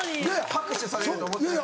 拍手されると思ってない。